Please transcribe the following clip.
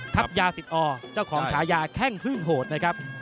ยาสิทธิอเจ้าของฉายาแข้งคลื่นโหดนะครับ